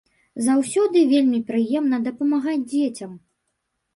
Заўсёды вельмі прыемна дапамагаць дзецям.